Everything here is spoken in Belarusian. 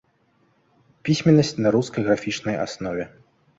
Пісьменнасць на рускай графічнай аснове.